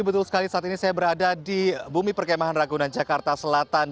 betul sekali saat ini saya berada di bumi perkemahan ragunan jakarta selatan